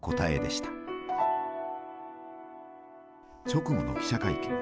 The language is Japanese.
直後の記者会見。